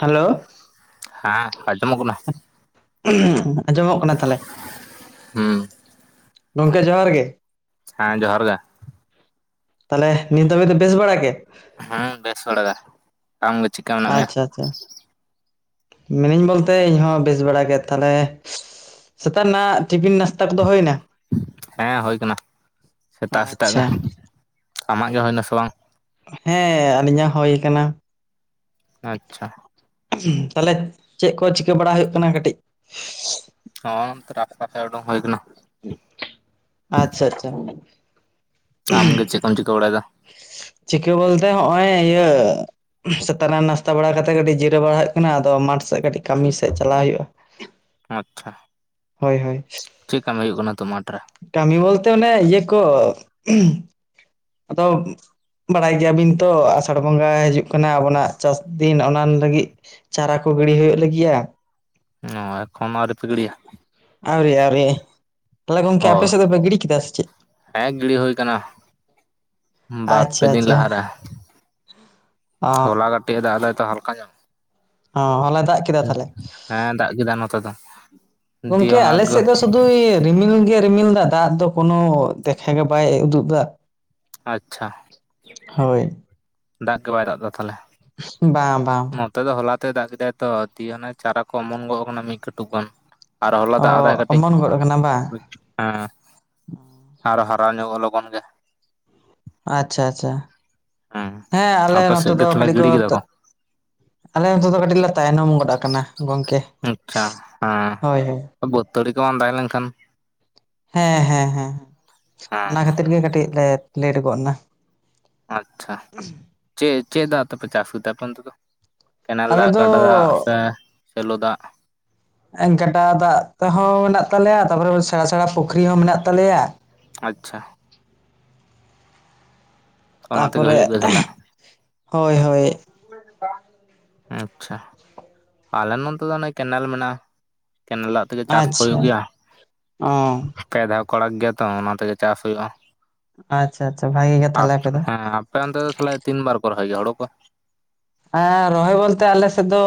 Hello ᱦᱮᱸ ᱟᱸᱡᱚᱢᱚᱜ ᱠᱟᱱᱟ ᱟᱸᱡᱚᱢᱚᱜ ᱠᱟᱱᱟ ᱛᱟᱦᱚᱞᱮ? ᱦᱩᱸ ᱜᱚᱝᱠᱮ ᱡᱚᱦᱟᱨ ᱜᱮ ᱾ ᱦᱮᱸ ᱡᱚᱦᱟᱨ ᱜᱮ᱾ ᱛᱟᱦᱚᱞᱮ ᱱᱤᱛ ᱫᱷᱟᱹᱵᱤ ᱫᱚ ᱵᱮᱥ ᱵᱟᱲᱟ ᱜᱮ? ᱦᱩᱸ ᱵᱮᱥ ᱵᱟᱲᱟ ᱜᱮ᱾ ᱟᱢ ᱜᱮ ᱪᱮᱫ ᱠᱟ ᱟᱪᱪᱷᱟ ᱟᱪᱪᱷᱟ, ᱢᱤᱱᱟᱹᱧ ᱵᱚᱞᱛᱮ ᱤᱧᱦᱚᱸ ᱵᱮᱥ ᱵᱟᱲᱟ ᱜᱮ ᱛᱟᱦᱞᱮ ᱥᱮᱛᱟᱜ ᱱᱟ ᱴᱤᱯᱷᱤᱱ ᱱᱟᱥ ᱦᱮᱸ ᱦᱩᱭ ᱠᱟᱱᱟ᱾ ᱥᱮᱛᱟᱜ ᱥᱮᱛᱟᱜ ᱟᱪᱪᱷᱟ ᱜᱮ ᱟᱢᱟᱜ ᱜᱮ ᱦᱩᱭᱱᱟ ᱥᱮ ᱵᱟᱝ? ᱦᱮᱸ ᱟᱹᱞᱤᱧᱟᱜ ᱦᱳᱭ ᱠᱟᱱᱟ᱾ ᱟᱪᱪᱷᱟ᱾ ᱛᱟᱦᱚᱞᱮ ᱪᱮᱫ ᱠᱚ ᱪᱤᱠᱟᱹ ᱵᱟᱲᱟ ᱦᱩᱭᱩᱜ ᱠᱟᱱᱟ ᱠᱟᱹᱴᱤᱡ ᱦᱚᱸ ᱨᱟᱥᱛᱟ ᱥᱮᱫ ᱩᱰᱩᱜ ᱦᱩᱭ ᱠᱟᱱᱟ᱾ ᱟᱪᱪᱷᱟ ᱟᱪᱪᱷᱟ᱾ ᱟᱢ ᱜᱮ ᱪᱮᱫ ᱠᱚᱢ ᱪᱤᱠᱟᱹ ᱵᱟᱲᱟᱭᱫᱟ? ᱪᱤᱠᱟᱹ ᱵᱚᱞᱛᱮ ᱦᱚᱜᱼᱚᱭ ᱤᱭᱟᱹ ᱥᱮᱛᱟᱜ ᱨᱮ ᱱᱟᱥᱛᱟ ᱵᱟᱲᱟ ᱠᱟᱛᱮᱜ ᱠᱟᱹᱴᱤᱡ ᱡᱤᱨᱟᱹᱣ ᱵᱟᱲᱟ ᱦᱩᱭᱩᱜ ᱠᱟᱱᱟ ᱟᱫᱚ ᱢᱟᱴᱷ ᱥᱮᱜ ᱠᱟᱹᱴᱤᱡ ᱠᱟᱹᱢᱤ ᱥᱮᱫ ᱪᱟᱞᱟᱣ ᱦᱩᱭᱩᱜᱼᱟ᱾ ᱟᱪᱪᱷᱟ ᱦᱳᱭ ᱦᱳᱭ᱾ ᱪᱮᱫ ᱠᱟᱹᱢᱤ ᱦᱩᱭᱩᱜ ᱠᱟᱱᱟ ᱛᱳ ᱢᱟᱴᱷ ᱨᱮ ᱠᱟᱹᱢᱤ ᱵᱚᱞᱛᱮ ᱚᱱᱮ ᱤᱭᱟᱹ ᱠᱚ ᱟᱫᱚ ᱵᱟᱲᱟᱭ ᱜᱮᱭᱟ ᱵᱤᱱ ᱛᱚ ᱟᱥᱟᱲ ᱵᱚᱸᱜᱟ ᱦᱤᱡᱩᱜ ᱠᱟᱱᱟ ᱟᱵᱚᱱᱟᱜ ᱪᱟᱥ ᱫᱤᱱ ᱚᱱᱟ ᱞᱟᱹᱜᱤᱫ ᱪᱟᱨᱟ ᱠᱚ ᱜᱤᱲᱤ ᱦᱩᱭᱩᱜ ᱞᱟᱹᱜᱤᱜ ᱟ ᱾ ᱚ ᱮᱠᱷᱚᱱ ᱱᱚ ᱟᱨᱣᱨᱤ ᱯᱮ ᱜᱤᱲᱤᱭᱟ? ᱟᱹᱣᱨᱤ ᱟᱹᱣᱨᱤ ᱛᱟᱦᱞᱮ ᱜᱚᱝᱠᱮ ᱟᱯᱮ ᱚ ᱥᱮᱫ ᱫᱚᱯᱮ ᱜᱤᱰᱤ ᱠᱮᱫᱟ ᱥᱮ ᱪᱮᱫ? ᱦᱮᱸ ᱜᱤᱲᱤ ᱦᱩᱭ ᱠᱟᱱᱟ᱾ ᱵᱟᱨᱯᱮ ᱟᱪᱪᱷᱟ ᱫᱤᱱ ᱟᱪᱪᱷᱟ ᱞᱟᱦᱟᱨᱮ ᱚ ᱦᱚᱞᱟ ᱠᱟᱹᱴᱤᱡ ᱮ ᱫᱟᱜ ᱫᱟᱭ ᱛᱚ ᱦᱟᱞᱠᱟ ᱧᱚᱜ᱾ ᱚᱸ ᱦᱚᱞᱟ ᱫᱟᱜ ᱠᱮ ᱦᱮᱸ ᱫᱟᱜ ᱠᱮᱫᱟᱭ ᱱᱚᱛᱮ ᱫᱚ ᱫᱤᱭᱮ ᱜᱚᱝᱠᱮ ᱚᱱᱟ ᱟᱞᱮ ᱠᱚ ᱥᱮᱫ ᱫᱚ ᱨᱤᱢᱤᱞ ᱜᱮ ᱨᱤᱢᱤᱞ ᱫᱟ ᱫᱟᱜ ᱫᱚ ᱠᱳᱱᱳ ᱫᱮᱠᱷᱟ ᱜᱮ ᱵᱟᱭ ᱩᱫᱩᱜ ᱫᱟ᱾ ᱟᱪᱪᱷᱟ ᱦᱳᱭ ᱫᱟᱜ ᱜᱮ ᱵᱟᱭ ᱫᱟᱜ ᱫᱟ ᱛᱟᱦᱞᱮ᱾ ᱵᱟᱝ ᱵᱟᱝ, ᱱᱚᱛᱮ ᱫᱚ ᱦᱚᱞᱟ ᱛᱮᱭ ᱫᱟᱜ ᱠᱮᱫᱟᱭ ᱛᱚ ᱫᱤᱭᱮ ᱦᱟᱱᱮ ᱪᱟᱨᱟ ᱠᱚ ᱚᱢᱚᱱ ᱜᱚᱜ ᱠᱟᱱᱟ ᱢᱤᱫ ᱠᱟᱹᱴᱩᱵ ᱜᱟᱱ᱾ ᱟᱨ ᱦᱚᱞᱟ ᱚ ᱫᱟᱜ ᱟᱫᱟᱭ ᱠᱟᱹᱴᱤᱡ ᱚᱢᱚᱱ ᱜᱚᱫ ᱠᱟᱱᱟ ᱵᱟᱝ [unintelligible] ᱦᱮᱸ ᱟᱨᱦᱚᱸ ᱦᱟᱨᱟ ᱧᱚᱜᱚᱱ ᱞᱚᱜᱚᱱ ᱜᱮ᱾ ᱟᱪᱪᱷᱟ ᱟᱪᱪᱷᱟ, ᱦᱮᱸ ᱟᱞᱮ ᱟᱯᱮ ᱱᱚᱛᱮ ᱥᱮᱫ ᱜᱮ ᱫᱚ ᱛᱟᱦᱚᱞᱮ ᱠᱟᱹᱴᱤᱡ ᱠᱚ ᱜᱤᱲᱤ ᱠᱮᱫᱟ ᱟᱞᱮ ᱱᱚᱛᱮ ᱫᱚ ᱠᱟᱹᱴᱤᱡ ᱞᱮ ᱛᱟᱭᱱᱚᱢ ᱜᱚᱫ ᱟᱠᱟᱱᱟ ᱜᱚᱝᱠᱮ, ᱟᱪᱪᱷᱟ ᱦᱮᱸ ᱦᱳᱭ ᱦᱳᱭ᱾ ᱵᱟᱹᱛᱟᱹᱲᱤ ᱠᱚ ᱵᱟᱝ ᱛᱟᱦᱮᱸ ᱞᱮᱱᱠᱷᱟᱱ, ᱦᱮᱸ ᱦᱮᱸ ᱦᱮᱸ ᱦᱮᱸ ᱚᱱᱟ ᱠᱷᱟᱛᱤᱨ ᱜᱮ ᱠᱟᱹᱴᱤᱡ ᱞᱮ ᱞᱮᱴ ᱜᱚᱫ ᱱᱟ᱾ ᱟᱪᱪᱷᱟ ᱪᱮᱫ ᱪᱮᱫ ᱫᱟᱜ ᱛᱮ ᱯᱮ ᱪᱟᱥ ᱜᱮ ᱛᱮ ᱟᱯᱮ ᱚᱱᱛᱮ ᱫᱚ? ᱠᱮᱱᱮᱞ ᱟᱞᱮ ᱫᱟᱜ, ᱫᱚ ᱜᱟᱸᱰᱟ ᱫᱟᱜ, ᱥᱮ ᱥᱮᱞᱳ ᱫᱟᱜ᱾ ᱜᱟᱰᱟ ᱫᱟᱜ ᱛᱮ ᱦᱚᱸ ᱢᱮᱱᱟᱜ ᱛᱟᱞᱮᱭᱟ ᱛᱟᱯᱚᱨᱮ ᱥᱮᱸᱲᱟ ᱥᱮᱸᱲᱟ ᱯᱩᱠᱷᱨᱤ ᱦᱚᱸ ᱢᱮᱱᱟᱜ ᱛᱟᱞᱮᱭᱟ᱾ ᱟᱪᱪᱷᱟ᱾ ᱚᱱᱟ ᱛᱮᱜᱮ ᱛᱟᱯᱚᱨᱮ ᱦᱩᱭᱩᱜ ᱜᱮᱭᱟ ᱛᱟᱦᱚᱞᱮ ᱦᱳᱭ ᱦᱳᱭ᱾ ᱟᱪᱪᱷᱟ ᱟᱞᱮ ᱱᱚᱛᱮ ᱫᱚ ᱚᱱᱮ ᱠᱮᱱᱮᱞ ᱢᱮᱱᱟᱜᱼᱟ ᱠᱮᱱᱮᱞ ᱫᱟᱜ ᱛᱮᱜᱮ ᱪᱟᱥ ᱠᱚ ᱦᱩᱭᱩᱜ ᱟᱪᱪᱷᱟ ᱜᱮᱭᱟ᱾ ᱚ ᱯᱮ ᱫᱷᱟᱣ ᱠᱚ ᱟᱲᱟᱜ ᱜᱮᱭᱟ ᱛᱚ ᱚᱱᱟ ᱛᱮᱜᱮ ᱪᱟᱥ ᱦᱳᱭᱳᱜᱼᱟ ᱟᱪᱪᱷᱟ ᱟᱪᱪᱷᱟ ᱵᱷᱟᱜᱤ ᱜᱮ ᱛᱟᱦᱚᱞᱮ ᱟᱯᱮ ᱫᱚ ᱦᱮᱸ ᱟᱯᱮ ᱚᱱᱛᱮ ᱫᱚ ᱛᱟᱦᱞᱮ ᱛᱤᱱ ᱵᱟᱨ ᱠᱚ ᱨᱚᱦᱚᱭ ᱜᱮᱭᱟ ᱦᱳᱲᱳ ᱠᱚ? ᱮᱸ ᱨᱚᱦᱚᱭ ᱵᱚᱞᱛᱮ ᱟᱞᱮ ᱥᱮᱫ ᱫᱚ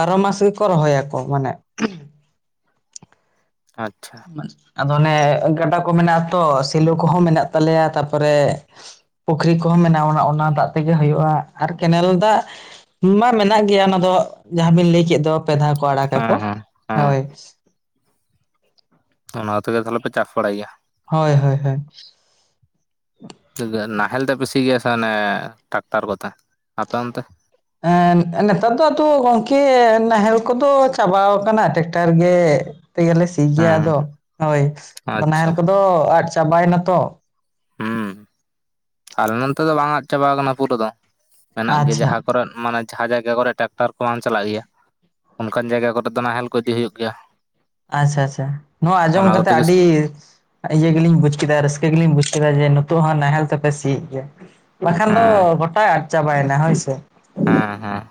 ᱵᱟᱨᱚ ᱢᱟᱥ ᱜᱮᱠᱚ ᱨᱚᱦᱚᱭ ᱟᱠᱚ ᱢᱟᱱᱮ ᱟᱪᱪᱷᱟ ᱟᱫᱚ ᱚᱱᱮ ᱜᱟᱰᱟ ᱠᱚ ᱢᱮᱱᱟᱜᱼᱟ ᱛᱚ ᱥᱮᱞᱳ ᱠᱚᱦᱚᱸ ᱢᱮᱱᱟᱜ ᱛᱟᱞᱮᱭᱟ ᱛᱟᱯᱚ ᱨᱮ ᱯᱩᱠᱷᱨᱤ ᱠᱚᱦᱚᱸ ᱢᱮᱱᱟᱜᱼᱟ ᱚᱱᱟ ᱫᱟᱜ ᱛᱮᱜᱮ ᱦᱳᱭᱳᱜᱼᱟ ᱟᱨ ᱠᱮᱱᱮᱞ ᱫᱟᱜ ᱢᱟ ᱢᱮᱱᱟᱜ ᱜᱮᱭᱟ ᱚᱱᱟ ᱫᱚ ᱡᱟᱦᱟ ᱵᱤᱱ ᱞᱟᱹᱭ ᱠᱮᱫ ᱫᱚ ᱯᱮ ᱫᱷᱟᱣ ᱠᱚ ᱟᱲᱟᱜ ᱟᱠᱚ ᱦᱮᱸ ᱦᱮᱸ ᱦᱮᱸ ᱦᱳᱭ᱾ ᱚᱱᱟ ᱛᱮᱜᱮ ᱛᱟᱦᱞᱮ ᱯᱮ ᱪᱟᱥ ᱵᱟᱲᱟᱭ ᱜᱮᱭᱟ᱾ ᱦᱳᱭ ᱦᱳᱭ ᱦᱳᱭ᱾ ᱱᱟᱦᱮᱞ ᱛᱮ ᱯᱮ ᱥᱤ ᱜᱮᱭᱟ ᱥᱮ ᱚᱱᱮ ᱴᱨᱟᱠᱴᱟᱨ ᱠᱚᱛᱮ ᱟᱯᱮ ᱚᱱᱛᱮ? ᱱᱮᱛᱟᱨ ᱫᱚ ᱟᱫᱚ ᱜᱚᱝᱠᱮ ᱱᱟᱦᱮᱞ ᱠᱚᱫᱚ ᱪᱟᱵᱟ ᱟᱠᱟᱱᱟ ᱴᱮᱠᱴᱟᱨ ᱜᱮ ᱛᱮᱜᱮ ᱞᱮ ᱥᱤ ᱜᱮᱭᱟ ᱦᱮᱸ ᱟᱫᱚ ᱦᱳᱭ ᱱᱟᱦᱮᱞ ᱟᱪᱪᱷᱟ ᱠᱚᱫᱚ ᱟᱫ ᱪᱟᱵᱟᱭ ᱱᱟ ᱛᱚ᱾ ᱦᱩᱸ ᱟᱞᱮ ᱱᱚᱛᱮ ᱫᱚ ᱵᱟᱝ ᱟᱫ ᱪᱟᱵᱟ ᱠᱟᱱᱟ ᱯᱩᱨᱟᱹ ᱫᱚ, ᱢᱮᱱᱟᱜ ᱜᱮ ᱟᱪᱪᱷᱟ ᱡᱟᱦᱟ ᱠᱚᱨᱮᱫ ᱢᱟᱱᱮ ᱡᱟᱦᱟ ᱡᱟᱭᱜᱟ ᱠᱚᱨᱮ ᱴᱨᱟᱠᱴᱟᱨ ᱠᱚ ᱵᱟᱝ ᱪᱟᱞᱟᱜ ᱜᱮᱭᱟ ᱚᱱᱠᱟᱱ ᱡᱟᱭᱜᱟ ᱠᱚᱨᱮ ᱫᱚ ᱱᱟᱦᱮᱞ ᱠᱚ ᱤᱫᱤ ᱦᱩᱭᱩᱜ ᱜᱮᱭᱟ᱾ ᱟᱪᱪᱷᱟ ᱟᱪᱪᱷᱟ ᱱᱚᱣᱟ ᱟᱸᱡᱚᱢ ᱚᱱᱟ ᱠᱚᱛᱮ ᱠᱟᱛᱮᱜ ᱜᱮ ᱟᱹᱰᱤ ᱤᱭᱟᱹ ᱜᱮ ᱞᱤᱧ ᱵᱩᱡ ᱠᱮᱫᱟ ᱨᱟᱹᱥᱠᱟᱹ ᱜᱮ ᱞᱤᱧ ᱵᱩᱡ ᱠᱮᱫᱟ ᱡᱮ ᱱᱤᱛᱚᱜ ᱦᱚᱸ ᱱᱟᱦᱮᱞ ᱛᱮ ᱯᱮ ᱥᱤ ᱭᱮᱫ ᱜᱮᱭᱟ᱾ ᱵᱟ ᱠᱷᱟᱱ ᱫᱚ ᱦᱮᱸ ᱜᱚᱴᱟ ᱟᱫ ᱪᱟᱵᱟᱭ ᱱᱟ ᱦᱳᱭ ᱥᱮ᱾ ᱦᱮᱸ ᱦᱮᱸ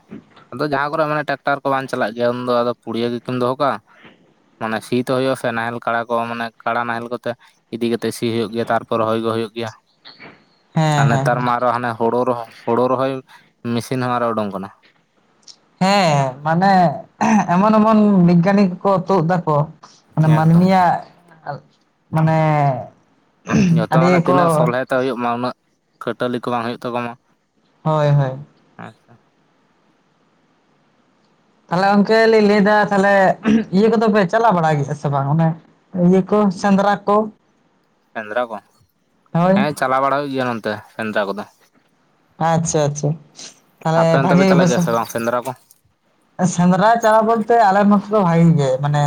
ᱟᱫᱚ ᱡᱟᱦᱟ ᱠᱚᱨᱮ ᱢᱟᱱᱮ ᱴᱨᱟᱠᱴᱟᱨ ᱠᱚ ᱵᱟᱝ ᱪᱟᱞᱟᱜ ᱜᱮᱭᱟ ᱩᱱᱫᱚ ᱟᱫᱚ ᱯᱩᱲᱤᱭᱟᱹ ᱜᱮ ᱠᱤᱢ ᱫᱚᱦᱚ ᱠᱟᱜ ᱟ ᱾ ᱢᱟᱱᱮ ᱥᱤ ᱛᱚ ᱦᱳᱭᱳᱜᱼᱟ ᱥᱮ ᱱᱟᱦᱮᱞ ᱠᱟᱲᱟ ᱠᱚ ᱢᱟᱱᱮ ᱠᱟᱲᱟ ᱱᱟᱦᱮᱞ ᱠᱚᱛᱮ ᱤᱫᱤ ᱠᱟᱛᱮᱜ ᱥᱤ ᱦᱩᱭᱩᱜ ᱜᱮᱭᱟ ᱛᱟᱨᱯᱚᱨ ᱨᱚᱦᱚᱭ ᱠᱚ ᱦᱳᱭᱳᱜ ᱜᱮᱭᱟ᱾ ᱟᱨ ᱦᱮᱸ ᱦᱮᱸ ᱱᱮᱛᱟᱨ ᱢᱟ ᱟᱨᱚ ᱦᱟᱱᱮ ᱦᱳᱲᱳ ᱨᱚᱦᱚᱭ ᱦᱳᱲᱳ ᱨᱚᱦᱚᱭ ᱢᱮᱥᱤᱱ ᱦᱚᱸ ᱟᱨ ᱦᱚᱸ ᱳᱰᱳᱝ ᱠᱟᱱᱟ᱾ ᱦᱮᱸ ᱢᱟᱱᱮ ᱮᱢᱚᱱ ᱮᱢᱚᱱ ᱵᱤᱜᱽᱜᱟᱱᱤ ᱠᱚ ᱠᱚ ᱛᱳᱫ ᱫᱟ ᱠᱚ, ᱢᱟᱱᱮ ᱢᱟᱹᱱᱢᱤ ᱮᱠᱫᱚᱢ ᱭᱟᱜ ᱢᱟᱱᱮ ᱡᱚᱛᱚ ᱟᱹᱰᱤ ᱢᱟᱱᱮ ᱠᱚ, ᱛᱤᱱᱟᱹᱜ ᱥᱚᱞᱦᱮ ᱦᱩᱭᱩᱜ ᱢᱟ ᱩᱱᱟᱹᱜ ᱠᱷᱟᱹᱴᱟᱹᱞᱤ ᱠᱚ ᱵᱟᱝ ᱦᱳᱭᱳᱜ ᱛᱟᱠᱚ ᱢᱟ᱾ ᱦᱳᱭ ᱦᱳᱭ᱾ ᱟᱪᱪᱷᱟ ᱛᱟᱦᱞᱮ ᱜᱚᱝᱠᱮ ᱞᱤᱧ ᱞᱟᱹᱭ ᱫᱟ ᱛᱟᱦᱞᱮ ᱤᱭᱟᱹ ᱠᱚᱫᱚ ᱯᱮ ᱪᱟᱞᱟ ᱵᱟᱲᱟ ᱜᱮᱭᱟ ᱥᱮ ᱵᱟᱝ ᱚᱱᱮ ᱤᱭᱟᱹ ᱠᱚ ᱥᱮᱸᱫᱽᱨᱟ ᱠᱚ᱾ ᱥᱮᱸᱫᱽᱨᱟ ᱠᱚ, ᱦᱳᱭ ᱦᱮᱸ ᱪᱟᱞᱟᱣ ᱵᱟᱲᱟ ᱦᱩᱭᱩᱜ ᱜᱮᱭᱟ ᱚᱱᱛᱮ ᱥᱮᱸᱫᱽᱨᱟ ᱠᱚᱫᱚ᱾ ᱟᱪᱪᱷᱟ ᱟᱪᱪᱷᱟ ᱛᱟᱦᱮ ᱟᱯᱮ ᱚᱱᱛᱮ ᱵᱷᱟᱜᱤ ᱯᱮ ᱜᱮ ᱪᱟᱞᱟᱜ ᱜᱮᱭᱟ ᱵᱮᱥᱟ ᱥᱮ ᱵᱟᱝ ᱥᱮᱸᱫᱽᱨᱟ ᱠᱚ ᱥᱮᱸᱫᱽᱨᱟ ᱪᱟᱞᱟᱣ ᱵᱚᱞᱛᱮ ᱟᱞᱮ ᱱᱚᱛᱮ ᱫᱚ ᱵᱷᱟᱜᱤ ᱜᱮ ᱢᱟᱱᱮ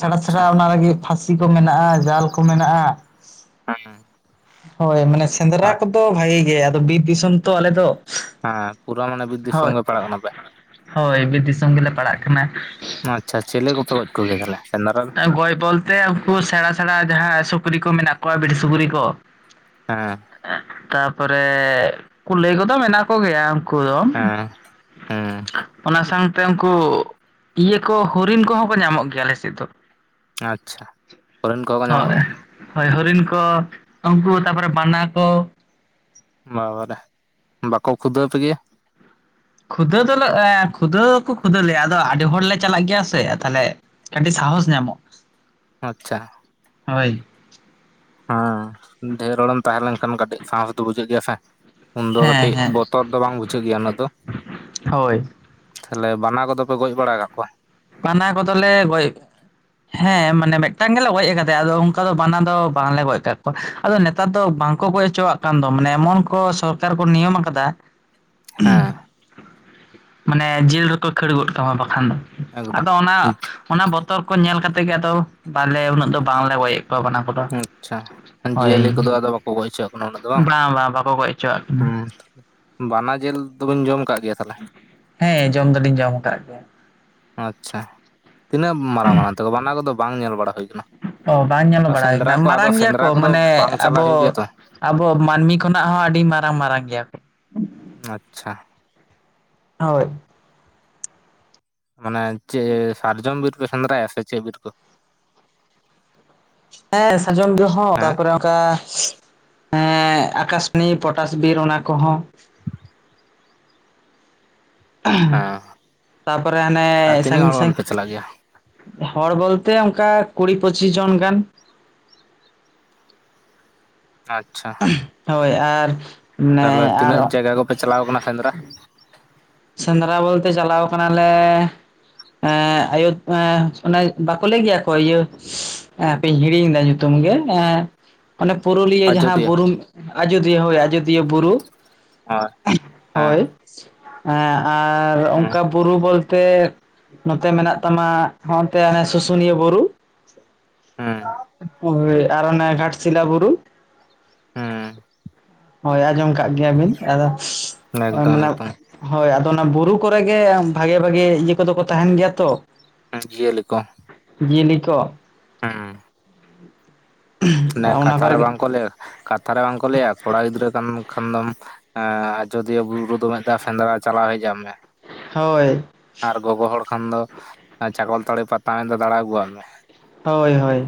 ᱥᱮᱬᱟ ᱟᱪᱪᱷᱟ ᱥᱮᱟᱬᱟ ᱚᱱᱟ ᱞᱟᱹᱜᱤᱫᱜ ᱯᱟᱹᱥᱤ ᱠᱚ ᱢᱮᱱᱟᱜᱼᱟ ᱡᱟᱞ ᱠᱚ ᱢᱮᱱᱟᱜᱼᱟ᱾ ᱦᱮᱸ ᱦᱳᱭ ᱢᱟᱱᱮ ᱥᱮᱸᱫᱽᱨᱟ ᱠᱚᱫᱚ ᱵᱷᱟᱜᱤ ᱜᱮ ᱟᱫᱚ ᱵᱤᱨ ᱫᱤᱥᱚᱢ ᱛᱚ ᱟᱞᱮ ᱫᱚ᱾ ᱦᱮᱸ ᱯᱩᱨᱟᱹ ᱢᱟᱱᱮ ᱵᱤᱨ ᱦᱳᱭ ᱫᱤᱥᱚᱢ ᱜᱮ ᱯᱟᱲᱟᱜ ᱠᱟᱱᱟ ᱯᱮ᱾ ᱦᱳᱭ ᱵᱤᱨ ᱫᱤᱥᱚᱢ ᱜᱮᱞᱮ ᱯᱟᱲᱟᱜ ᱠᱟᱱᱟ, ᱟᱪᱪᱷᱟ ᱪᱮᱞᱮ ᱠᱚᱯᱮ ᱜᱚᱡ ᱠᱚᱜᱮᱭᱟ ᱛᱟᱦᱚᱞᱮ ᱥᱮᱸᱫᱽᱨᱟ ᱫᱚ? [inaudible] ᱜᱚᱭ ᱵᱚᱞ ᱛᱮ ᱩᱱᱠᱩ ᱥᱮᱸᱬᱟ ᱥᱮᱸᱬᱟ ᱡᱟᱦᱟᱸ ᱥᱩᱠᱨᱤ ᱠᱚ ᱢᱮᱱᱟᱜ ᱠᱚᱣᱟ ᱵᱤᱨ ᱥᱩᱠᱨᱤ ᱠᱚ᱾ ᱦᱮᱸ, ᱛᱟᱯᱚᱨᱮ ᱠᱩᱞᱟᱹᱭ ᱠᱚᱫᱚ ᱢᱮᱱᱟᱜ ᱠᱚᱜᱮᱭᱟ ᱩᱱᱠᱩ ᱫᱚ᱾ ᱦᱮᱸ᱾ ᱦᱮᱸ [inaudible] ᱚᱱᱟ ᱥᱟᱶᱛᱮ ᱩᱱᱠᱩ ᱤᱭᱟᱹ ᱠᱚ ᱦᱚᱨᱤᱱ ᱠᱚᱦᱚᱸ ᱠᱚ ᱧᱟᱢᱚᱜ ᱜᱮᱭᱟ ᱞᱮᱥᱮᱫ ᱫᱚ᱾ ᱟᱪᱪᱷᱟ ᱦᱚᱨᱤᱱ ᱠᱚ ᱦᱚᱸ ᱠᱚ ᱧᱟᱢᱚᱜ ᱦᱳᱭ ᱜᱮᱭᱟ᱾ ᱦᱳᱭ ᱦᱚᱨᱤᱱ ᱠᱚ, ᱩᱱᱠᱩ ᱛᱟᱨᱯᱚᱨᱮ ᱵᱟᱱᱟ ᱠᱚ᱾ ᱵᱟᱵᱟᱨᱮ ᱵᱟᱠᱚ ᱠᱷᱩᱫᱟᱹᱣ ᱯᱮ ᱜᱮ᱾ ᱠᱷᱩᱫᱟᱹ ᱫᱚᱞᱮ ᱮ ᱠᱷᱩᱫᱟᱹᱣ ᱫᱚᱠᱚ ᱠᱷᱫᱟᱹᱣ ᱞᱮᱭᱟ ᱟᱫᱚ ᱟᱹᱰᱤ ᱦᱚᱲ ᱞᱮ ᱪᱟᱞᱟᱜ ᱜᱮᱭᱟ ᱥᱮ ᱛᱟᱦᱚᱸᱞᱮ ᱠᱟᱹᱴᱤᱡ ᱥᱟᱦᱚᱥ ᱧᱟᱢᱚᱜ ᱟᱪᱪᱷᱟ, ᱦᱳᱭ᱾ ᱦᱮᱸ ᱰᱷᱮᱨ ᱦᱚᱲᱮᱢ ᱛᱟᱦᱮᱸ ᱞᱮᱱᱠᱷᱟᱱ ᱠᱟᱹᱴᱤᱡ ᱥᱟᱸᱦᱚᱥ ᱫᱚ ᱵᱩᱡᱷᱟᱹᱜ ᱜᱮᱭᱟ ᱥᱮ᱾ ᱩᱱᱫᱚ ᱦᱮᱸ ᱠᱟᱹᱴᱤᱡ ᱦᱮᱸ ᱵᱚᱛᱚᱨ ᱫᱚ ᱵᱟᱝ ᱵᱩᱡᱷᱟᱹᱜ ᱜᱮᱭᱟ ᱩᱱᱟᱹᱜ ᱫᱚ᱾ ᱦᱳᱭ ᱛᱟᱦᱚᱸᱞᱮ ᱵᱟᱱᱟ ᱠᱚᱫᱚ ᱯᱮ ᱜᱚᱡ ᱵᱟᱲᱟ ᱠᱟᱜ ᱠᱚᱣᱟ᱾ ᱯᱟᱱᱟ ᱠᱚᱫᱚ ᱞᱮ ᱜᱚᱡ ᱦᱮᱸ ᱢᱟᱱᱮ ᱢᱤᱫᱴᱟᱝ ᱜᱮᱞᱮ ᱜᱚᱡ ᱟᱠᱟᱫᱮᱭᱟ ᱟᱫᱚ ᱚᱱᱠᱟ ᱫᱚ ᱵᱟᱱᱟ ᱫᱚ ᱵᱟᱝᱞᱮ ᱜᱚᱡ ᱟᱠᱟᱫ ᱠᱚᱣᱟ᱾ ᱟᱫᱚ ᱱᱮᱛᱟᱨ ᱫᱚ ᱵᱟᱝ ᱠᱚ ᱜᱚᱡ ᱦᱚᱪᱚᱣᱟᱜ ᱠᱟᱱ ᱫᱚ ᱢᱟᱱᱮ ᱮᱢᱚᱱ ᱠᱚ ᱥᱚᱨᱠᱟᱨ ᱠᱚ ᱱᱤᱭᱚᱢ ᱠᱟᱫᱟ᱾ ᱦᱮᱸ ᱢᱟᱱᱮ ᱡᱤᱞ ᱨᱮᱠᱚ ᱠᱷᱟᱹᱲ ᱜᱚᱫ ᱠᱟᱢᱟ ᱵᱟᱠᱷᱟᱱ ᱫᱚ᱾ ᱮᱠᱫᱚᱢ ᱟᱫᱚ ᱚᱱᱟ ᱚᱱᱟ ᱵᱚᱛᱚᱨ ᱠᱚ ᱧᱮᱞ ᱠᱟᱛᱮᱫ ᱜᱮ ᱟᱫᱚ ᱵᱟᱞᱮ ᱩᱱᱟᱹᱜ ᱫᱚ ᱵᱟᱝᱞᱮ ᱜᱚᱡᱮᱫ ᱠᱚᱣᱟ ᱵᱟᱱᱟ᱾ ᱠᱚᱫᱚ ᱟᱪᱪᱷᱟ ᱡᱤᱭᱟᱹᱞᱤ ᱦᱳᱭ ᱠᱚᱫᱚ ᱟᱫᱚ ᱵᱟᱠᱚ ᱜᱚᱡ ᱦᱚᱪᱣᱟᱜ ᱠᱟᱱᱟ ᱩᱟ ᱫᱚ ᱵᱟᱝ ᱵᱟᱝ ᱵᱟᱝ ᱵᱟᱠᱚ ᱜᱚᱡ ᱦᱚᱪᱚᱣᱟᱜ ᱠᱤᱱᱟ ᱦᱩᱸ ᱵᱟᱱᱟ ᱡᱮᱞ ᱫᱚᱵᱮᱱ ᱡᱚᱢ ᱠᱟᱜ ᱜᱮᱭᱟ ᱛᱟᱦᱚᱸᱞᱮ᱾ ᱦᱮᱸ ᱡᱚᱢ ᱫᱚᱞᱤᱧ ᱡᱚᱢ ᱟᱠᱟᱫ ᱜᱮᱭᱟ᱾ ᱟᱪᱪᱷᱟ, ᱛᱤᱱᱟᱹᱜ ᱢᱟᱨᱟᱝ ᱢᱟᱨᱟᱝ ᱛᱮᱠᱚ ᱵᱟᱱᱟ ᱠᱚᱫᱚ ᱵᱟᱝ ᱧᱮᱞ ᱵᱟᱲᱟ ᱦᱩᱭ ᱟᱠᱟᱱᱟ᱾ ᱚ ᱵᱟᱝ ᱧᱮᱞ ᱵᱟᱲᱟ ᱦᱩᱭ ᱠᱟᱱᱟ ᱢᱟᱨᱟᱝ ᱜᱮᱭᱟ ᱠᱚ ᱠᱚᱫᱚ ᱢᱟᱱᱮ ᱵᱟᱝ ᱪᱟᱞᱟᱜ ᱦᱩᱭᱩᱜ ᱜᱮᱭᱟ ᱟᱵᱚ ᱛᱚ ᱟᱵᱚ ᱢᱟᱹᱱᱢᱤ ᱠᱷᱚᱱᱟᱜ ᱦᱚᱸ ᱟᱹᱰᱤ ᱢᱟᱨᱟᱝ ᱢᱟᱨᱟᱝ ᱜᱮᱭᱟ ᱠᱚ᱾ ᱟᱪᱪᱷᱟ᱾ ᱦᱳᱭ, ᱢᱟᱱᱮ ᱪᱮ ᱥᱟᱨᱡᱚᱢ ᱵᱤᱨ ᱯᱮ ᱥᱮᱸᱫᱽᱨᱟᱭᱟ ᱥᱮ ᱪᱮᱫ ᱵᱤᱨ ᱠᱚ᱾ ᱦᱮᱸ ᱥᱟᱡᱚᱱ ᱡᱚᱦᱚᱸ ᱦᱮᱸ ᱛᱚᱯᱚᱨᱮ ᱚᱱᱠᱟ ᱮ ᱟᱠᱟᱥᱢᱤ ᱯᱚᱴᱟᱥ ᱵᱤᱨ ᱚᱱᱟ ᱠᱚ ᱦᱚᱸ ᱾ ᱦᱮᱸ ᱛᱟᱨᱯᱚᱨᱮ ᱦᱟᱱᱮ ᱟᱨ ᱛᱤᱱᱟᱹᱜ ᱥᱟᱹᱜᱤᱧ ᱦᱚᱲ ᱜᱟᱱ ᱥᱟᱹᱜᱤᱧ᱾ ᱯᱮ ᱪᱟᱞᱟᱜ ᱜᱮᱭᱟ ᱦᱚᱲ ᱵᱚᱞᱛᱮ ᱚᱱᱠᱟ ᱠᱩᱲᱤ ᱯᱚᱪᱤᱥ ᱡᱚᱱ ᱜᱟᱱ᱾ ᱟᱪᱪᱷᱟ᱾ ᱦᱳᱭ ᱟᱨ ᱢᱟᱱᱮ ᱟᱨᱚ ᱯᱮ ᱪᱟᱞᱟᱣ ᱟᱠᱟᱱᱟ ᱥᱮᱸᱫᱽᱨᱟ᱾ ᱥᱮᱸᱫᱽᱨᱟ ᱵᱚᱞᱛᱮ ᱪᱟᱞᱟᱣ ᱠᱟᱱᱟ ᱞᱮᱻ᱾ ᱮᱸ ᱟᱭᱳ ᱮ ᱚᱱᱟ ᱵᱟᱠᱚ ᱞᱟᱹᱭ ᱜᱮᱭᱟ ᱠᱚ ᱤᱭᱟᱹ ᱦᱟᱯᱮᱧ ᱦᱤᱲᱤᱧ ᱮᱫᱟ ᱧᱩᱛᱩᱢ ᱜᱮ ᱦᱮᱸᱻ᱾ ᱚᱱᱮ ᱯᱩᱨᱩᱞᱤᱭᱟᱹ ᱡᱟᱦᱟᱸ ᱟᱡᱚᱫᱤᱭᱟᱹ ᱵᱩᱨᱩ ᱟᱡᱚᱫᱤᱭᱟᱹ ᱦᱳᱭ ᱟᱡᱚᱫᱤᱭᱟᱹ᱾ ᱫᱤᱭᱟᱹ ᱵᱩᱨᱩ ᱦᱳᱭ ᱦᱮᱸ ᱦᱳᱭ᱾ ᱦᱮᱸ ᱟᱨ ᱚᱱᱠᱟ ᱦᱮᱸ ᱵᱩᱨᱩ ᱵᱚᱞ ᱛᱮᱜ ᱱᱚᱛᱮ ᱢᱮᱱᱟᱜ ᱛᱟᱢᱟ ᱦᱚᱸᱜᱚᱱᱛᱮ ᱦᱟᱱᱮ ᱥᱩᱥᱩᱱᱤᱭᱟᱹ ᱵᱩᱨᱩ᱾ ᱟᱨ ᱦᱳᱭ ᱟᱨ ᱚᱱᱮ ᱜᱷᱟᱴᱥᱤᱞᱟ ᱵᱩᱨᱩ᱾ ᱦᱮᱸ᱾ ᱦᱳᱭ ᱟᱸᱡᱚᱢ ᱠᱟᱜ ᱜᱮᱭᱟ ᱞᱤᱧ ᱟᱫᱚ ᱦᱮᱸ ᱮᱠᱫᱚᱢ ᱢᱟᱱᱮ ᱮᱠᱫᱚᱢ ᱦᱚᱭ ᱟᱫᱚ ᱚᱱᱟ ᱵᱩᱨᱩ ᱠᱚᱨᱮ ᱜᱮ ᱵᱷᱟᱜᱮ ᱵᱷᱟᱜᱮ ᱤᱭᱟᱹ ᱠᱚᱫᱚ ᱠᱚ ᱛᱟᱦᱮᱸᱱ ᱜᱮᱭᱟ ᱛᱚ᱾ ᱟᱨ ᱡᱤᱭᱟᱹᱞᱤ ᱠᱚ᱾ ᱡᱤᱭᱟᱹᱞᱤ ᱠᱚ ᱦᱩᱸ᱾ ᱚᱱᱟ ᱠᱟᱛᱷᱟ ᱠᱚᱨᱮ ᱨᱮ ᱜᱮ ᱵᱟᱝᱠᱚ ᱞᱟᱹᱭᱟ ᱠᱟᱛᱷᱟ ᱨᱮ ᱵᱟᱝ ᱠᱚ ᱞᱟᱹᱭᱟ ᱠᱚᱲᱟ ᱜᱤᱫᱽᱨᱟᱹ ᱠᱟᱱ ᱠᱷᱟᱱ ᱫᱚᱢ ᱟ ᱟᱡᱚᱫᱷᱤᱭᱟᱹ ᱵᱩᱨᱩ ᱫᱚ [unintelligible] ᱥᱮᱸᱫᱽᱨᱟ ᱪᱟᱞᱟᱣ ᱦᱮᱡ ᱟᱜ ᱢᱮ᱾ ᱦᱳᱭ᱾ ᱟᱨ ᱜᱚᱜᱚ ᱦᱚᱲ ᱠᱷᱟᱱ ᱫᱚ ᱪᱟᱠᱚᱞ ᱛᱟᱹᱲᱤ ᱯᱟᱛᱟ ᱤᱧ ᱫᱚ ᱫᱟᱬᱟ ᱟᱹᱜᱩᱣᱟᱜ ᱢᱮ᱾ ᱦᱳᱭ ᱦᱳᱭ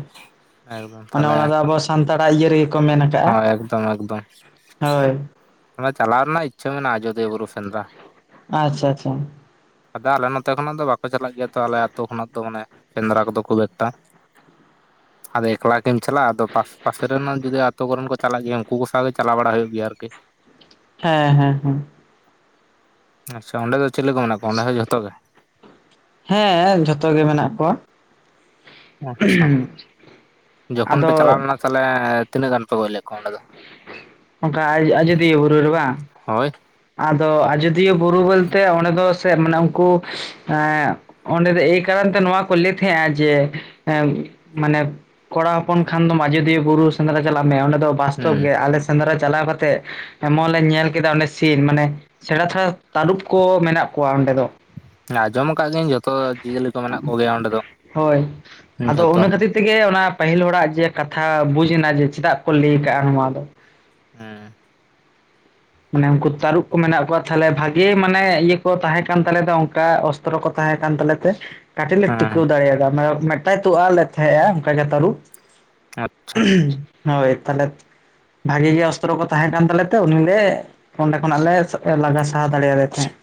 ᱮᱠᱫᱚᱢ ᱢᱟᱱᱮ ᱛᱟᱦᱚᱞᱮ ᱚᱱᱟ ᱫᱚ ᱟᱵᱚᱣᱟᱜ ᱥᱟᱱᱛᱟᱲᱟᱜ ᱤᱭᱟᱹ ᱨᱮᱜᱮ ᱠᱚ ᱢᱮᱱ ᱠᱟᱜ-ᱟ᱾ ᱦᱳᱭ ᱮᱠᱫᱚᱢ ᱮᱠᱫᱚᱢ ᱦᱳᱭ᱾ ᱚᱱᱟ ᱪᱟᱞᱟᱣ ᱨᱮᱱᱟᱜ ᱤᱪᱪᱷᱟᱹ ᱢᱮᱱᱟᱜ-ᱟ ᱟᱡᱚᱫᱤᱭᱟᱹ ᱵᱩᱨᱩ ᱥᱮᱱᱫᱽᱨᱟ᱾ ᱟᱪᱪᱷᱟ ᱟᱪᱪᱷᱟ᱾ ᱟᱫᱚ ᱟᱞᱮ ᱱᱚᱛᱮ ᱠᱷᱚᱱᱟᱜ ᱫᱚ ᱵᱟᱠᱚ ᱪᱟᱞᱟᱜ ᱜᱮᱭᱟ ᱛᱚ ᱟᱞᱮ ᱟᱹᱛᱳ ᱠᱷᱚᱱᱟᱜ ᱫᱚ ᱢᱟᱱᱮ᱾ ᱥᱮᱸᱫᱽᱨᱟ ᱠᱚᱫᱚ ᱠᱷᱩᱵ ᱮᱠᱴᱟ, ᱟᱫᱚ ᱮᱠᱞᱟ ᱜᱮᱢ ᱪᱟᱞᱟᱜ-ᱟ ᱟᱫᱚ ᱯᱟᱥ ᱯᱟᱥᱮ ᱨᱮᱱ ᱦᱚᱸ ᱡᱩᱫᱤ ᱛᱚ ᱵᱚᱨᱚᱱ ᱠᱚ ᱪᱟᱞᱟᱜ ᱜᱮᱭᱟ ᱩᱱᱠᱩ ᱠᱚ ᱥᱟᱶᱛᱮ ᱪᱟᱞᱟᱣ ᱵᱟᱲᱟ ᱦᱩᱭᱩᱜ ᱜᱮᱭᱟ ᱟᱨᱠᱤ᱾ ᱦᱮᱸ ᱦᱮᱸ ᱦᱮᱸ᱾ ᱟᱪᱪᱷᱟ ᱚᱸᱰᱮ ᱫᱚ ᱪᱮᱞᱮ ᱠᱚ ᱢᱮᱱᱟᱜ ᱠᱚᱣᱟ ᱚᱸᱰᱮ ᱦᱚᱸ ᱡᱷᱚᱛᱚ ᱜᱮ? ᱦᱮᱸ ᱡᱷᱚᱛᱚ ᱜᱮ ᱢᱮᱱᱟᱜ ᱠᱚᱣᱟ᱾ ᱟᱪᱪᱷᱟ, ᱡᱚᱠᱷᱚᱱ ᱯᱮ ᱪᱟᱞᱟᱣ ᱟᱫᱚ ᱞᱮᱱᱟ ᱛᱟᱦᱞᱮ ᱛᱤᱱᱟᱹᱜ ᱜᱟᱱ ᱯᱮ ᱜᱚᱡ ᱞᱮᱜ ᱠᱚᱣᱟ ᱚᱸᱰᱮ ᱫᱚ? ᱚᱱᱠᱟ ᱟᱡ ᱟᱡᱚᱫᱤᱭᱟᱹ ᱵᱩᱨᱩ ᱨᱮ ᱵᱟᱝ᱾ ᱦᱳᱭ ᱟᱫᱚ ᱟᱡᱚᱫᱤᱭᱟᱹ ᱵᱩᱨᱩ ᱵᱚᱞᱛᱮ ᱚᱸᱰᱮ ᱫᱚ ᱥᱮ ᱢᱟᱱᱮ ᱩᱱᱠᱩ ᱮᱜ ᱚᱸᱰᱮ ᱫᱚ ᱮᱭ ᱠᱟᱨᱚᱱ ᱛᱮ ᱱᱚᱣᱟ ᱠᱚ ᱞᱟᱹᱭ ᱛᱟᱦᱮᱸᱜ-ᱟ ᱡᱮ ᱮᱢ ᱢᱟᱱᱮ ᱠᱚᱲᱟ ᱦᱚᱯᱚᱱ ᱠᱷᱟᱱ ᱫᱚᱢ ᱟᱡᱚᱫᱤᱭᱟᱹ ᱵᱩᱨᱩ ᱥᱮᱸᱫᱽᱨᱟ ᱪᱟᱞᱟᱜ ᱢᱮ ᱚᱸᱰᱮ ᱫᱚ ᱵᱟᱥᱛᱚᱵᱽ ᱦᱩᱸ ᱜᱮ, ᱟᱞᱮ ᱥᱮᱸᱫᱽᱨᱟ ᱪᱟᱞᱟᱣ ᱠᱟᱛᱮᱜ, ᱮᱢᱚᱱ ᱞᱮ ᱧᱮᱞ ᱠᱮᱫᱟ ᱚᱸᱰᱮ ᱥᱤᱱ ᱢᱟᱱᱮ ᱥᱮᱬᱟ ᱥᱮᱬᱟ ᱛᱟᱹᱨᱩᱵ ᱠᱚ ᱢᱮᱱᱟᱜ ᱠᱚᱣᱟ ᱚᱸᱰᱮ ᱫᱚ᱾ ᱟᱸᱡᱚᱢ ᱟᱠᱟᱜ ᱜᱤᱭᱟᱹᱧ ᱡᱚᱛᱚ ᱡᱤᱭᱟᱹᱞᱤ ᱠᱚ ᱢᱮᱱᱟᱜ ᱠᱚ ᱜᱮᱭᱟ ᱚᱸᱰᱮ ᱫᱚ ᱦᱳᱭ ᱟᱫᱚ ᱡᱷᱚᱛᱚ᱾ ᱚᱱᱟ ᱠᱷᱟᱹᱛᱤᱨ ᱛᱮᱜᱮ ᱚᱱᱟ ᱯᱟᱹᱦᱤᱞ ᱦᱚᱲᱟᱜ ᱡᱮ ᱠᱟᱛᱷᱟ ᱵᱩᱡᱽ ᱮᱱᱟ ᱡᱮ ᱪᱮᱫᱟᱜ ᱠᱚ ᱞᱟᱹᱭ ᱠᱟᱜ-ᱟ ᱱᱚᱣᱟ ᱫᱚ᱾ ᱦᱩᱸ᱾ ᱢᱟᱱᱮ ᱩᱱᱠᱩ ᱛᱟᱹᱨᱩᱵ ᱠᱚ ᱢᱮᱱᱟᱜ ᱠᱚᱣᱟ ᱛᱟᱦᱞᱮ ᱵᱷᱟᱜᱮ ᱢᱟᱱᱮ ᱤᱭᱟᱹ ᱠᱚ ᱛᱟᱦᱮᱸ ᱠᱟᱱ ᱛᱟᱞᱮ ᱛᱮ ᱚᱝᱠᱟ ᱚᱥ ᱚᱥᱛᱨᱚ ᱠᱚ ᱛᱟᱦᱮᱸ ᱠᱟᱱ ᱛᱟᱞᱮ ᱛᱮ᱾ ᱠᱟᱹᱴᱤᱡ ᱞᱮ ᱦᱮᱸ ᱴᱤᱠᱟᱹᱣ ᱫᱟᱲᱮᱭᱟᱫᱟ ᱢᱟᱱᱮ ᱢᱮᱜ ᱴᱟᱭ ᱛᱩᱜ ᱟᱜ ᱞᱮ ᱛᱟᱦᱮᱸᱜ-ᱟ, ᱚᱱᱠᱟ ᱜᱮ ᱛᱟᱹᱨᱩᱵ᱾ ᱟᱪᱪᱷᱟ ᱦᱳᱭ ᱛᱟᱦᱞᱮ ᱵᱷᱟᱹᱜᱤ ᱜᱮ ᱚᱥᱛᱨᱚ ᱠᱚ ᱛᱟᱦᱮᱸ ᱠᱟᱱ ᱛᱟᱞᱮ ᱛᱮ ᱩᱱᱤ ᱞᱮ ᱚᱸᱰᱮ ᱠᱷᱚᱱᱟᱜ ᱞᱮ ᱥᱟ ᱞᱟᱜᱟ ᱥᱟᱦᱟ ᱫᱟᱲᱮᱭᱟᱫᱮ ᱛᱟᱦᱮᱸᱫ᱾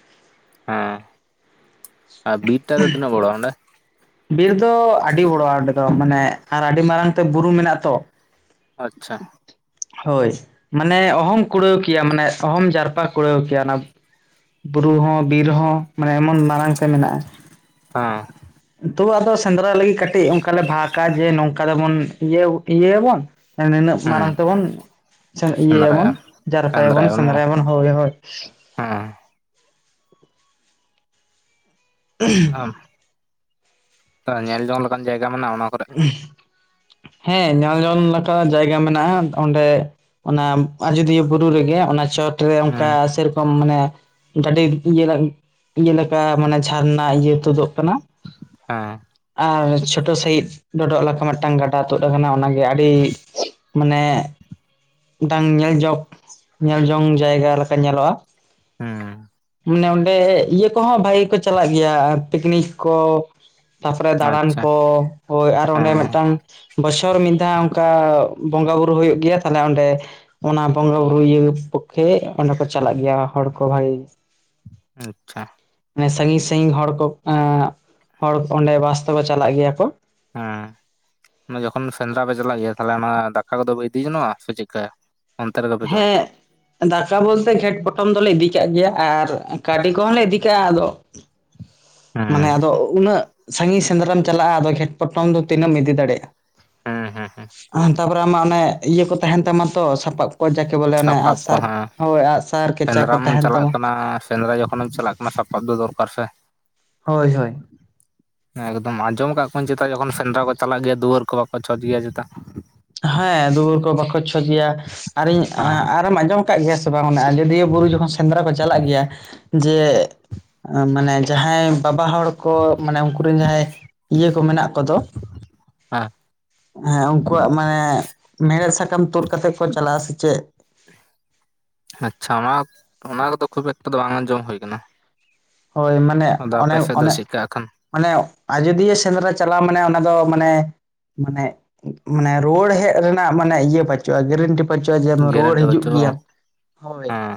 ᱚᱸ ᱵᱤᱨ ᱴᱟᱜ ᱫᱚ ᱛᱤᱱᱟᱹᱜ ᱵᱚᱲᱚᱣᱟ ᱚᱸᱰᱮ? ᱵᱤᱨ ᱫᱚ ᱟᱹᱰᱤ ᱵᱚᱲᱚᱣᱟ ᱚᱸᱰᱮ ᱫᱚ ᱢᱟᱱᱮ ᱟᱨ ᱟᱹᱰᱤ ᱢᱟᱨᱟᱝ ᱛᱮ ᱵᱩᱨᱩ ᱢᱮᱱᱟᱜ ᱛᱚ᱾ ᱟᱪᱪᱷᱟ ᱦᱳᱭ ᱢᱟᱱᱮ ᱚᱦᱚᱢ ᱠᱩᱲᱟᱹᱣ ᱠᱮᱭᱟ ᱢᱟᱱᱮ ᱚᱦᱚᱢ ᱡᱟᱨᱯᱟ ᱠᱩᱲᱟᱹᱣ ᱠᱮᱭᱟ ᱚᱱᱟ ᱵᱩᱨᱩ ᱦᱚᱸ ᱵᱤᱨ ᱦᱚᱸ ᱢᱟᱱᱮ ᱮᱢᱚᱱ ᱢᱟᱨᱟᱝ ᱛᱮ ᱢᱮᱱᱟᱜ-ᱟ᱾ ᱦᱚᱸ ᱛᱚ ᱟᱫᱚ ᱥᱮᱸᱫᱽᱨᱟ ᱞᱟᱹᱜᱤᱫ ᱠᱟᱹᱴᱤᱡ ᱚᱱᱠᱟᱞᱮ ᱵᱷᱟᱜᱽ-ᱟ, ᱡᱮ ᱱᱚᱝᱠᱟ ᱫᱚᱵᱚᱱ ᱤᱡᱟᱹ ᱤᱡᱟᱹᱭᱟᱵᱚᱱ᱾ ᱮᱱ ᱱᱤᱱᱟᱹᱜ ᱢᱟᱨᱟᱝ ᱦᱮᱸ ᱛᱮᱵᱚᱱ [unintelligible] ᱤᱭᱟᱹᱭᱟᱵᱚᱱ ᱥᱮᱸᱫᱽᱨᱟᱭᱟ ᱡᱟᱨᱯᱟᱭᱟᱵᱚᱱ ᱥᱮᱸᱫᱽᱨᱟᱭᱟᱵᱚᱱ ᱦᱳᱭ ᱦᱳᱭ᱾ ᱦᱚᱸ ᱩᱦᱩ [unintelligible] [unintelligible] ᱟ ᱧᱮᱞ ᱡᱚᱝ ᱞᱮᱠᱟᱱ ᱡᱟᱭᱜᱟ ᱢᱮᱱᱟᱜ-ᱟ ᱚᱱᱟ ᱠᱚ ᱦᱮᱸ ᱧᱮᱞᱡᱚᱝ ᱞᱮᱠᱟ ᱡᱟᱭᱜᱟ ᱢᱮᱱᱟᱜ-ᱟ ᱚᱸᱰᱮ᱾ ᱚᱱᱟ ᱟᱡᱚᱫᱤᱭᱟᱹ ᱵᱩᱨᱩ ᱨᱮᱜᱮ ᱚᱱᱟ ᱪᱚᱴᱨᱮ ᱚᱱᱠᱟ ᱦᱮᱸ ᱥᱮᱭ ᱨᱚᱠᱚᱢ ᱢᱟᱱᱮ ᱡᱟᱹᱰᱤ ᱤᱭᱟᱹ ᱞᱮᱠ ᱤᱭᱟᱹ ᱞᱮᱠᱟ ᱢᱟᱱᱮ ᱡᱷᱟᱨᱱᱟ ᱤᱭᱟᱹ ᱛᱩᱫᱚᱜᱽ ᱠᱟᱱᱟ ᱦᱮᱸᱻ ᱟᱨ ᱪᱷᱳᱴᱳ ᱥᱟᱺᱦᱤᱡ ᱰᱚᱰᱚᱜ ᱞᱮᱠᱟ ᱢᱤᱫᱴᱟᱝ ᱜᱟᱰᱟ ᱛᱩᱫᱽ ᱟᱠᱟᱱᱟ ᱚᱱᱟᱜᱮ ᱟᱹᱰᱤ ᱢᱟᱱᱮ ᱢᱤᱫᱴᱟᱝ ᱧᱮᱞ ᱡᱚᱜ ᱧᱮᱞ ᱡᱚᱝ ᱡᱟᱭᱜᱟ ᱞᱮᱠᱟ ᱧᱮᱞᱚᱜ-ᱟ᱾ ᱦᱩᱸᱻ ᱢᱟᱱᱮ ᱚᱸᱰᱮ ᱤᱭᱟᱹ ᱠᱚᱦᱚᱸ ᱵᱷᱟᱜᱮ ᱠᱚ ᱪᱟᱞᱟᱜ ᱜᱮᱭᱟ ᱯᱤᱠᱱᱤᱠ ᱠᱚ᱾ ᱛᱟᱯᱚᱨᱮ ᱫᱟᱬᱟᱱ ᱟᱪᱪᱷᱟ ᱠᱚ ᱦᱳᱭ ᱟᱨ ᱚᱸᱰᱮ ᱦᱮᱸ ᱢᱤᱫᱴᱟᱝ ᱵᱚᱪᱷᱚᱨ ᱢᱤᱫ ᱫᱷᱟᱣ ᱚᱱᱠᱟ ᱵᱚᱸᱜᱟ ᱵᱩᱨᱩ ᱦᱩᱭᱩᱜ ᱜᱮᱭᱟ ᱛᱟᱦᱞᱮ ᱚᱸᱰᱮ ᱚᱱᱟ ᱵᱚᱸᱜᱟ ᱵᱩᱨᱩ ᱤᱭᱟᱹ ᱯᱚᱠᱠᱷᱮᱜ ᱚᱸᱰᱮ ᱠᱚ ᱪᱟᱞᱟᱜ ᱜᱮᱭᱟ ᱦᱚᱲ ᱠᱚ ᱵᱷᱟᱜᱤ᱾ ᱚᱸ ᱟᱪᱪᱷᱟ ᱢᱟᱱᱮ ᱥᱟᱺᱜᱤᱧ ᱥᱟᱺᱜᱤᱧ ᱦᱚᱲ ᱠᱚ ᱮᱸᱜ ᱦᱚᱲ ᱠᱚ ᱚᱸᱰᱮ ᱵᱟᱥ ᱛᱮᱠᱚ ᱪᱟᱞᱟᱜ ᱜᱮᱭᱟ ᱠᱚ᱾ ᱦᱮᱸ ᱡᱚᱠᱷᱚᱱ ᱥᱮᱸᱫᱽᱨᱟ ᱯᱮ ᱪᱟᱞᱟᱜ ᱜᱮᱭᱟ ᱛᱟᱦᱞᱮ ᱚᱱᱟ ᱫᱟᱠᱟ ᱠᱚᱫᱚ ᱯᱮ ᱤᱫᱤ ᱡᱚᱱᱚᱜ-ᱟ ᱥᱮ ᱪᱮᱜᱽ ᱠᱟ? ᱦᱮᱸ ᱫᱟᱠᱟ ᱵᱚᱞᱛᱮ ᱜᱷᱮᱸᱴ ᱯᱚᱴᱚᱢ ᱫᱚᱞᱮ ᱤᱫᱤ ᱠᱟᱜ ᱜᱮᱭᱟ ᱟᱨ ᱠᱟᱹᱰᱤ ᱠᱚᱦᱚᱸ ᱞᱮ ᱤᱫᱤ ᱠᱟᱜ ᱟᱫᱚ᱾ ᱢᱟᱱᱮ ᱦᱮᱸ ᱟᱫᱚ ᱩᱱᱟᱹᱜ ᱥᱟᱺᱜᱤᱧ ᱥᱮᱸᱫᱽᱨᱟᱢ ᱪᱟᱞᱟᱜ-ᱟ᱾ ᱟᱫᱚ ᱜᱷᱮᱸᱴ ᱯᱚᱴᱚᱢ ᱫᱚ ᱛᱤᱱᱟᱹᱜ ᱮᱢ ᱤᱫᱤ ᱫᱟᱲᱮᱭᱟᱜ-ᱟ? ᱦᱮᱸ ᱦᱮᱸ ᱦᱮᱸ ᱛᱟᱯᱚᱨᱮ ᱟᱢᱟᱜ ᱚᱱᱮ ᱤᱭᱟᱹ ᱠᱚ ᱛᱟᱦᱮᱸᱱ ᱛᱟᱢᱟ ᱛᱚ ᱥᱟᱯᱟᱵ ᱠᱚ ᱡᱟᱠ ᱠᱮ ᱵᱚᱞᱮ ᱚᱱᱮ ᱟᱸᱜ ᱥᱟᱯᱟᱵ ᱠᱚ ᱥᱟᱨ ᱦᱮᱸ ᱦᱳᱭ ᱟᱜ-ᱥᱟᱨ ᱠᱷᱮᱪᱟ ᱠᱚ ᱥᱮᱸᱫᱽᱨᱟᱢ ᱛᱟᱦᱮᱸᱱ ᱪᱟᱞᱟᱜ ᱛᱟᱢᱟ᱾ ᱠᱟᱱᱟ ᱥᱮᱸᱫᱽᱨᱟ ᱡᱚᱠᱷᱚᱱᱮᱢ ᱪᱟᱞᱟᱜ ᱠᱟᱱᱟ ᱥᱟᱯᱟᱵ ᱫᱚ ᱫᱚᱨᱠᱟᱨ ᱥᱮ᱾ ᱦᱳᱭ ᱦᱳᱭ ᱮᱠᱫᱚᱢ ᱟᱸᱡᱚᱢ ᱠᱟᱜ ᱠᱚᱣᱟᱧ ᱪᱮᱛᱟ ᱡᱚᱠᱷᱚᱱ ᱥᱮᱸᱫᱽᱨᱟ ᱠᱚ ᱪᱟᱞᱟᱜ ᱜᱮᱭᱟ ᱫᱩᱣᱟᱹᱨ ᱠᱚ ᱵᱟᱠᱚ ᱪᱷᱚᱸᱪ ᱜᱮᱭᱟ ᱪᱮᱛᱟ? ᱦᱮᱸ ᱫᱩᱣᱟᱹᱨ ᱠᱚ ᱵᱟᱠᱚ ᱪᱷᱚᱸᱪ ᱜᱮᱭᱟ ᱟᱨᱤᱧ ᱦᱮᱸ ᱟᱨᱮᱢ ᱟᱸᱡᱚᱢ ᱠᱟᱜ ᱜᱮᱭᱟ ᱛᱚᱵᱮ ᱵᱟᱝ ᱟᱡᱚᱫᱤᱭᱟᱹ ᱵᱩᱨᱩ ᱡᱚᱠᱷᱚᱱ ᱥᱮᱸᱫᱽᱨᱟ ᱠᱚ ᱪᱟᱞᱟᱜ ᱜᱮᱭᱟ ᱡᱮ ᱢᱟᱱᱮ ᱡᱟᱦᱟᱸᱭ ᱵᱟᱵᱟ ᱦᱚᱲ ᱠᱚ ᱢᱟᱱᱮ ᱩᱱᱠᱩ ᱨᱮᱱ ᱡᱟᱦᱟᱸᱭ ᱤᱭᱟᱹ ᱠᱚ ᱢᱮᱱᱟᱜ ᱠᱚᱫᱚ ᱦᱮᱸ ᱦᱮᱸ ᱩᱱᱠᱩᱣᱟᱜ ᱢᱟᱱᱮ ᱢᱮᱲᱦᱮᱫ ᱥᱟᱠᱟᱢ ᱛᱩᱫᱽ ᱠᱟᱛᱮ ᱠᱚ ᱪᱟᱞᱟᱜ-ᱟ ᱥᱮ ᱪᱮᱫᱽ? ᱟᱪᱪᱷᱟ ᱚᱱᱟ ᱚᱱᱟ ᱠᱚᱫᱚ ᱠᱷᱩᱵ ᱮᱠᱴᱟ ᱫᱚ ᱵᱟᱝ ᱟᱸᱡᱚᱢ ᱦᱩᱭ ᱟᱠᱟᱱᱟ᱾ ᱦᱳᱭ ᱢᱟᱱᱮ ᱚᱱᱮᱜ ᱫᱚ ᱚᱱᱮᱜ ᱪᱮᱫᱠᱟ ᱟᱠᱷᱟᱱ ᱚᱱᱮᱜ ᱟᱡᱚᱫᱤᱭᱟᱹ ᱥᱮᱸᱫᱽᱨᱟ ᱪᱟᱞᱟᱣ ᱢᱟᱱᱮ ᱚᱱᱟ ᱫᱚ ᱢᱟᱱᱮ ᱢᱟᱱᱮᱜ ᱢᱟᱱᱮ ᱨᱩᱣᱟᱹᱲ ᱦᱮᱜ ᱨᱮᱱᱟᱜ ᱢᱟᱱᱮ ᱤᱭᱟᱹ ᱯᱟᱹᱪᱩᱜ-ᱟ ᱜᱮᱨᱮᱱᱴᱤ᱾ ᱯᱟᱸᱪᱚ ᱡᱮᱢ ᱨᱩᱣᱟᱹᱲ ᱜᱮᱨᱮᱱᱴᱤ ᱦᱤᱡᱩᱜ ᱵᱟᱹᱪᱩᱜᱼᱟ ᱜᱮᱭᱟᱢ, ᱵᱟᱝ? ᱦᱳᱭ ᱦᱮᱸ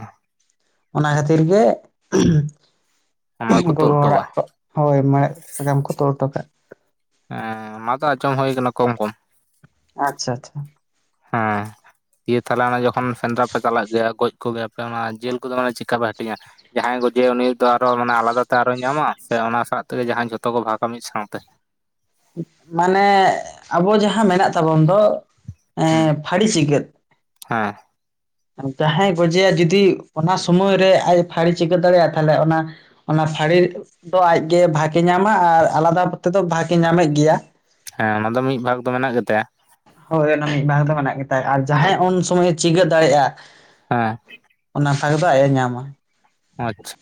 ᱚᱱᱟ ᱠᱷᱟᱹᱛᱤᱨ ᱜᱮ [inaudible] ᱚᱱᱟ ᱠᱚ ᱛᱩᱫ ᱜᱚᱜᱚ ᱦᱚᱴᱚ ᱠᱟᱜᱼᱟ ᱦᱚᱲᱟᱜ ᱠᱚ ᱦᱳᱭ ᱢᱮᱲᱮᱜ ᱥᱟᱠᱟᱢ ᱠᱚ ᱛᱩᱫ ᱦᱚᱴᱚ ᱠᱟᱜ ᱾ ᱦᱮᱸ, ᱚᱱᱟᱛᱚ ᱟᱸᱡᱚᱢ ᱦᱳᱭ ᱠᱟᱱᱟ ᱠᱚᱢ ᱠᱚᱢ ᱾ ᱟᱪᱷᱟ ᱪᱷᱟ ᱾ ᱦᱮᱸᱻ ᱤᱭᱟᱹ ᱛᱟᱦᱚᱞᱮ ᱡᱚᱠᱷᱚᱱ ᱥᱮᱸᱫᱽᱨᱟ ᱯᱮ ᱪᱟᱞᱟᱜ ᱜᱮᱭᱟ ᱜᱚᱡ ᱠᱚᱜᱮᱭᱟᱯᱮ ᱚᱱᱟ ᱡᱮᱞ ᱠᱚᱫᱚ ᱢᱟᱱᱮ ᱪᱤᱠᱮᱠᱟ ᱯᱮ ᱦᱟᱹᱴᱤᱧᱟ? ᱡᱟᱦᱟᱸᱭ ᱜᱚᱡᱮᱭᱟ ᱩᱱᱤ ᱫᱚ ᱟᱨᱚ ᱢᱟᱱᱮ ᱟᱞᱟᱫᱟᱛᱮ ᱟᱨᱚᱭ ᱧᱟᱢᱟ, ᱥᱮ ᱚᱱᱟ ᱥᱟᱶ ᱛᱮᱜᱮ ᱡᱟᱦᱟᱸ ᱡᱷᱚᱛᱚ ᱠᱚ ᱵᱷᱟᱜᱟ ᱢᱤᱫ ᱥᱟᱶᱛᱮ? ᱢᱟᱱᱮ ᱟᱵᱚ ᱡᱟᱦᱟᱸ ᱢᱮᱱᱟᱜ ᱛᱟᱵᱚᱱ ᱫᱚ ᱦᱩᱸ ᱮᱸᱻ ᱯᱷᱟᱹᱲᱤ ᱥᱤᱜᱟᱹᱫ, ᱦᱮᱸ ᱾ ᱡᱟᱦᱟᱸᱭ ᱜᱚᱡᱮᱭᱟ ᱡᱩᱫᱤ ᱚᱱᱟ ᱥᱚᱢᱚᱭ ᱨᱮ ᱟᱡ ᱯᱷᱟᱹᱲᱤ ᱪᱤᱜᱟᱹᱫ ᱫᱟᱲᱮᱭᱟᱜᱼᱟ, ᱛᱟᱦᱚᱞᱮ ᱚᱱᱟ ᱚᱱᱟ ᱯᱷᱟᱹᱲᱤ ᱫᱚ ᱟᱡᱜᱮ ᱵᱷᱟᱠᱮ ᱧᱟᱢᱟ ᱟᱨ ᱟᱞᱟᱫᱟᱯ ᱛᱮᱫᱚ ᱵᱷᱟᱠᱮ ᱧᱟᱢᱮᱜ ᱜᱮᱭᱟ ᱾ ᱦᱮᱸ, ᱚᱱᱟ ᱫᱚ ᱢᱤᱫ ᱵᱷᱟᱜ ᱫᱚ ᱢᱮᱱᱟᱜ ᱜᱮ ᱛᱟᱭᱟ ᱾ ᱦᱳᱭ ᱚᱱᱟ ᱢᱤᱫ ᱵᱷᱟᱜ ᱫᱚ ᱢᱮᱱᱟᱜ ᱜᱮᱛᱟᱭ ᱟᱨ ᱡᱟᱦᱟᱸᱭ ᱩᱱ ᱥᱚᱢᱚᱭᱮ ᱪᱤᱜᱟᱹᱫ ᱫᱟᱲᱮᱭᱟᱜᱼᱟ ᱦᱮᱸ ᱾ ᱚᱱᱟ ᱯᱷᱟᱜ ᱫᱚ ᱟᱡ ᱮ ᱧᱟᱢᱟ ᱾ ᱚᱸ ᱟᱪᱷᱟ ᱾